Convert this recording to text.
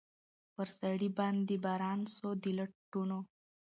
پر سړي باندي باران سو د لوټونو